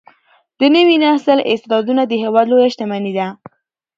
د نوي نسل استعدادونه د هیواد لویه شتمني ده.